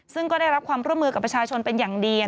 ซึ่งก็ได้รับความร่วมมือกับประชาชนเป็นอย่างดี